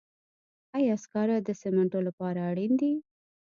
آیا سکاره د سمنټو لپاره اړین دي؟